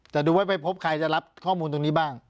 แต่ดูว่าไปพบใครจะรับข้อมูลตรงนี้บ้าง